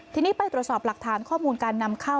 ทีนี้ไปตรวจสอบหลักฐานข้อมูลการนำเข้า